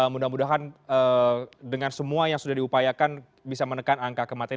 mudah mudahan dengan semua yang sudah diupayakan bisa menekan angka kematian